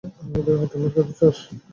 আমার হাতে মার খেতে চাস?